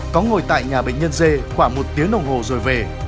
có ngồi tại nhà bệnh nhân dê khoảng một tiếng đồng hồ rồi về